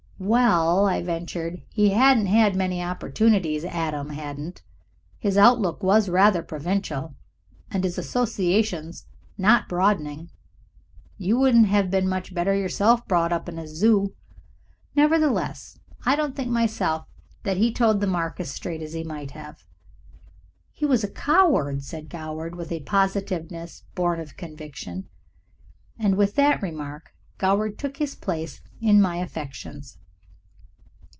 "Well," I ventured, "he hadn't had many opportunities, Adam hadn't. His outlook was rather provincial, and his associations not broadening. You wouldn't have been much better yourself brought up in a zoo. Nevertheless, I don't think myself that he toed the mark as straight as he might have." "He was a coward," said Goward, with a positiveness born of conviction. And with that remark Goward took his place in my affections.